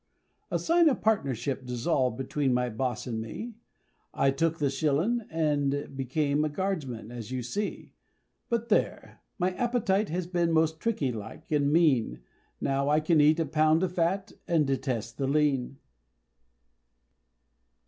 "A sign of partnership dissolved Between my boss, and me, I took the shillin', and became A guardsman, as you see, But there! my appetite has been Most tricky like, and mean, Now I can eat a pound of fat, And I detest the lean!"